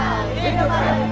hidup adik mata